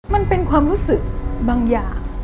มันเป็นความรู้สึกบางอย่าง